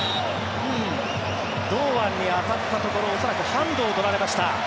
堂安に当たったところ恐らくハンドを取られました。